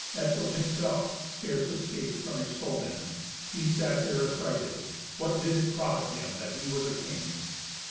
Etzel himself scarce escaped from his foemen. He sat there affrighted. What did it profit him that he was a king?